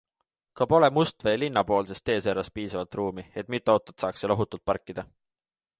Ka pole Mustvee linnapoolses teeservas piisavalt ruumi, et mitu autot saaks seal ohutult parkida.